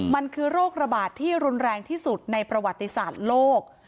มันคือโรคระบาดที่รุนแรงที่สุดในประวัติศาสตร์โลก